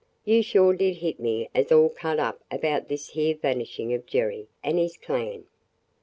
You sure did hit me as all cut up about this here vanishin' of Jerry an' his clan!"